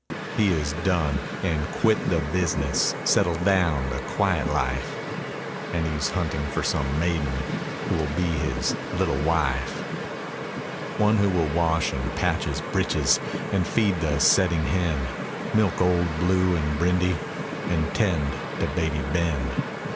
He is done and quit the business, Settled down to quiet life, And he's hunting for some maiden Who will be his little wife, One who will wash and patch his britches And feed the setting hen, Milk old Blue and Brindy, And tend to baby Ben.